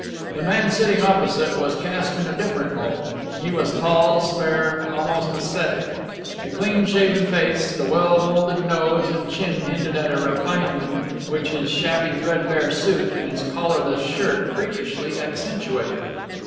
The man sitting opposite was cast in a different mould. He was tall, spare, almost æsthetic. The clean shaven face, the well moulded nose and chin hinted at a refinement which his shabby threadbare suit and his collarless shirt freakishly accentuated.